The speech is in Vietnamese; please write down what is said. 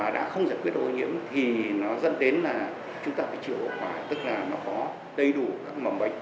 cái ô nhiễm và đã không giải quyết ô nhiễm thì nó dẫn đến là chúng ta phải chịu khỏa tức là nó có đầy đủ các mầm bệnh